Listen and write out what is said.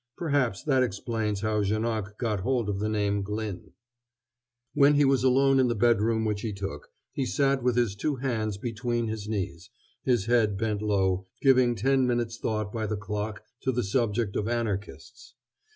Perhaps that explains how Janoc got hold of the name 'Glyn.'" When he was left alone in the bedroom which he took, he sat with his two hands between his knees, his head bent low, giving ten minutes' thought by the clock to the subject of Anarchists.